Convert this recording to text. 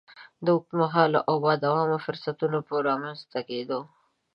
د اوږد مهالو او با دوامه فرصتونو په رامنځ ته کېدو.